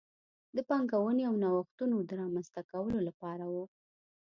د پانګونې او نوښتونو د رامنځته کولو لپاره و.